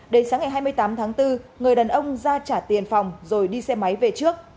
đến sáng ngày hai mươi tám tháng bốn người đàn ông ra trả tiền phòng rồi đi xe máy về trước